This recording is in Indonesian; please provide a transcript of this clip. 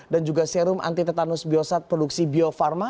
dan juga serum anti tetanus biosat produksi bio farma